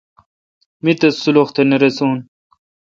مہ تس سلخ تہ رݭون۔